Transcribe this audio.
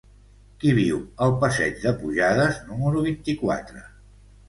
Qui viu al passeig de Pujades número vint-i-quatre?